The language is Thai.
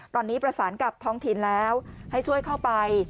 ตอนนี้ประสานกับท้องถิ่นแล้วให้ช่วยเข้าไป